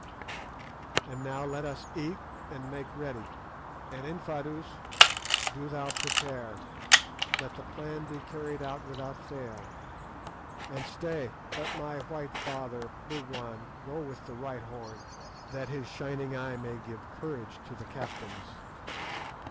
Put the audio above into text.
And now let us eat and make ready; and, Infadoos, do thou prepare, that the plan be carried out without fail; and stay, let my white father Bougwan go with the right horn, that his shining eye may give courage to the captains."